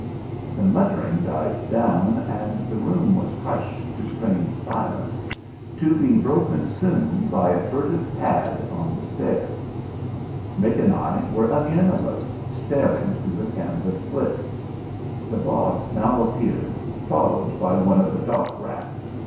The muttering died down and the room was hushed to strained silence to be broken soon by a furtive pad on the stairs. Mick and I were again alert, staring through the canvas slits. The Boss now appeared, followed by one of the dock rats.